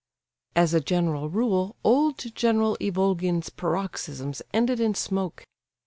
As a general rule, old General Ivolgin's paroxysms ended in smoke.